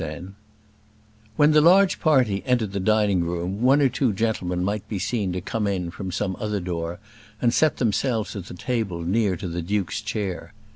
] When the large party entered the dining room one or two gentlemen might be seen to come in from some other door and set themselves at the table near to the duke's chair.